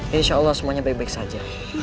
ya insya allah semuanya baik baik saja